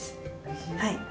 はい。